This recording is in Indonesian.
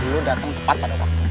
lu dateng tepat pada waktu ini